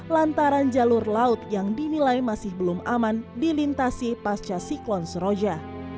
lantaran jalur laut yang dinilai masih belum aman dilintasi pasca siklon seroja